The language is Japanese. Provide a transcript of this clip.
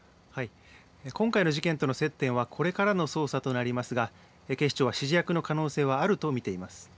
今回の事件との接点はこれからの捜査となりますが警視庁は指示役の可能性はあると見ています。